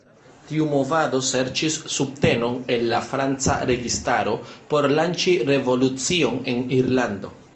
Tiu movado serĉis subtenon el la Franca registaro por lanĉi revolucion en Irlando.